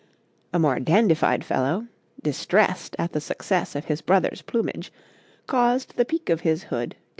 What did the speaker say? A more dandified fellow, distressed at the success of his brother's plumage, caused the peak of his hood to be made long.